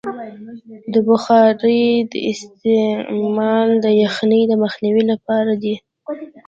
د بخارۍ استعمال د یخنۍ د مخنیوي لپاره دی.